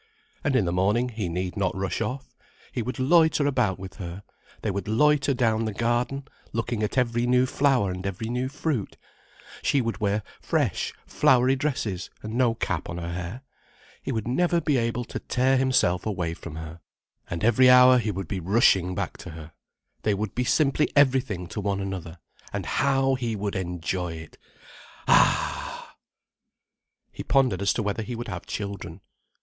And in the morning he need not rush off. He would loiter about with her, they would loiter down the garden looking at every new flower and every new fruit, she would wear fresh flowery dresses and no cap on her hair, he would never be able to tear himself away from her. Every morning it would be unbearable to have to tear himself away from her, and every hour he would be rushing back to her. They would be simply everything to one another. And how he would enjoy it! Ah! He pondered as to whether he would have children.